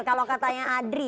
kalau katanya adri